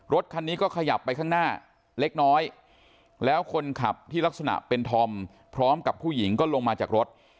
รถคันนี้ก็ขยับไปข้างหน้าเล็กน้อยแล้วคนขับที่ลักษณะเป็นธอมพร้อมกับผู้หญิงก็ลงมาจากรถ